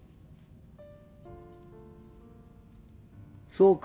そうか。